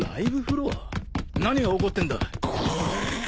何が起こってんだ！？